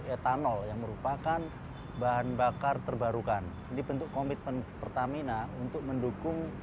etanol yang merupakan bahan bakar terbarukan dibentuk komitmen pertamina untuk mendukung